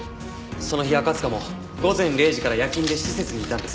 その日赤塚も午前０時から夜勤で施設にいたんです。